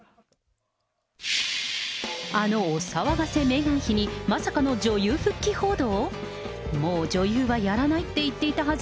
あのお騒がせメーガン妃に、まさかの女優復帰報道？